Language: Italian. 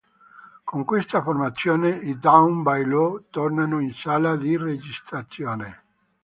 Con questa formazione i Down By Law tornano in sala di registrazione.